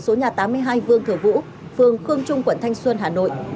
số nhà tám mươi hai vương thừa vũ phường khương trung quận thanh xuân hà nội